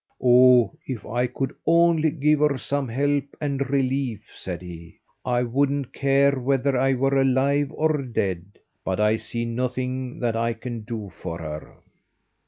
"Oh! if I could only give her some help and relief," said he, "I wouldn't care whether I were alive or dead; but I see nothing that I can do for her."